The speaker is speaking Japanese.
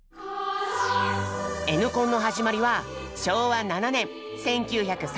「Ｎコン」の始まりは昭和７年１９３２年。